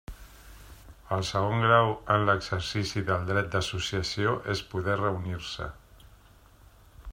El segon grau en l'exercici del dret d'associació és poder reunir-se.